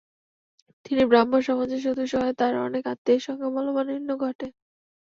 তিনি ব্রাহ্ম সমাজের সদস্য হওয়ায় তার অনেক আত্মীয়ের সঙ্গে মনোমালিন্য ঘটে।